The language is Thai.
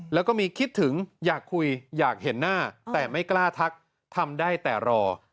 แล้วก็มีคิดถึงอยากคุยอยากเห็นหน้าแต่ไม่กล้าทักทำได้แต่รอ